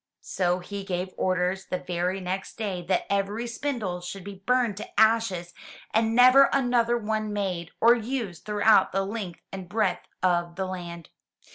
So he gave orders the very next day that every spindle should be burned to ashes and never another one made or used throughout the length and breadth of the land.